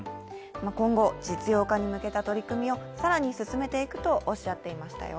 今後、実用化に向けた取り組みを更に進めていくとおっしゃっていましたよ。